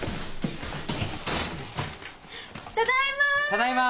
ただいま！